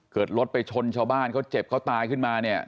รถไปชนชาวบ้านเขาเจ็บเขาตายขึ้นมาเนี่ย